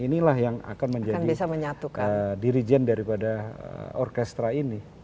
inilah yang akan menjadi dirijen daripada orkestra ini